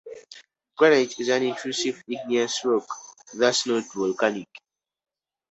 Granite is an intrusive igneous rock, thus not volcanic.